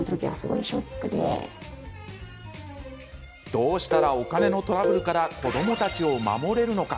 どうしたらお金のトラブルから子どもたちを守れるのか。